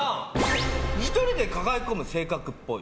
１人で抱え込む性格っぽい。